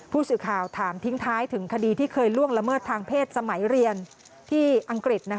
ผู้สื่อข่าวถามทิ้งท้ายถึงคดีที่เคยล่วงละเมิดทางเพศสมัยเรียนที่อังกฤษ